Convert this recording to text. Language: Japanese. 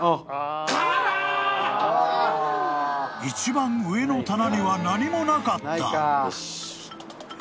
［一番上の棚には何もなかった］